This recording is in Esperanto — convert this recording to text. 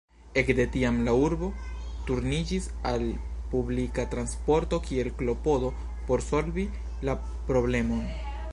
Ekde tiam la urbo turniĝis al publika transporto kiel klopodo por solvi la problemon.